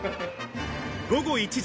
午後１時。